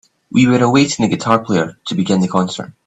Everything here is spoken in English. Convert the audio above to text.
We were awaiting the guitar player to begin the concert.